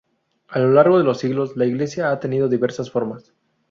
A lo largo de los siglos, la iglesia ha tenido diversas formas.